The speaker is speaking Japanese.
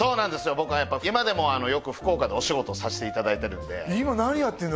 僕は今でもよく福岡でお仕事さしていただいてるんで今何やってんの？